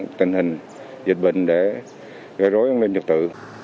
đó là tình hình dịch bệnh để gây rối an ninh trật tự